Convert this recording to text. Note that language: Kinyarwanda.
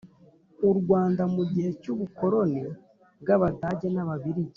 U rwanda mu gihe cy ubukoroni bw abadage n ababirigi